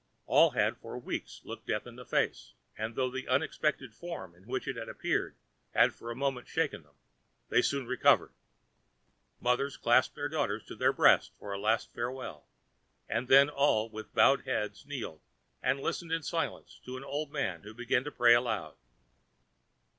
All had for weeks looked death in the face; and though the unexpected form in which it appeared had for the moment shaken them, they soon recovered. Mothers clasped their daughters to their breasts for a last farewell, and then all with bowed heads kneeled and listened in silence to an old man who began to pray aloud.